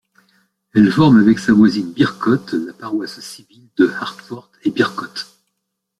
Elle forme avec sa voisine Bircotes la paroisse civile de Harworth et Bircotes.